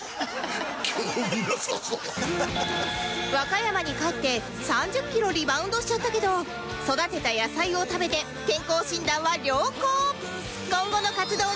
和歌山に帰って３０キロリバウンドしちゃったけど育てた野菜を食べて健康診断は良好